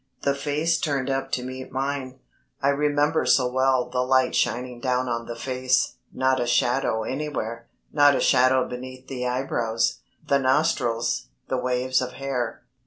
The face turned up to meet mine. I remember so well the light shining down on the face, not a shadow anywhere, not a shadow beneath the eyebrows, the nostrils, the waves of hair.